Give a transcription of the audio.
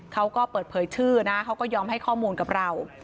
เขาก็เปิดเผยชื่อนะเขาก็ยอมให้ข้อมูลกับเรา